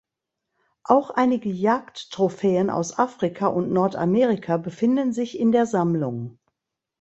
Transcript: Auch einige Jagdtrophäen aus Afrika und Nordamerika befinden sich in der Sammlung.